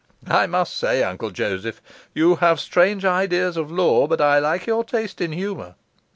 I must say, Uncle Joseph, you have strange ideas of law, but I like your taste in humour.